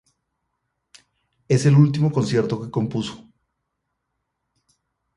Es el último concierto que compuso.